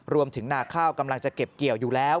นาข้าวกำลังจะเก็บเกี่ยวอยู่แล้ว